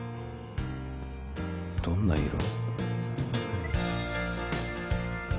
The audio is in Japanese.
どんな色？